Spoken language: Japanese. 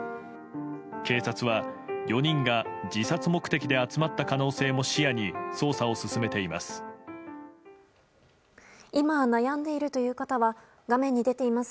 警察は４人が自殺目的で集まった可能性も視野に捜査を進めています。